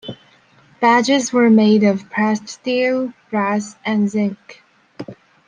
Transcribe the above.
Badges were made of pressed steel, brass and zinc.